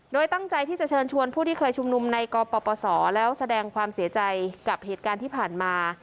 โดยตั้งใจที่จะเชิญชวนผู้ที่เคยชุมนุมในกปศแล้วแสดงความเสียใจกับเหตุการณ์ที่ผ่านมา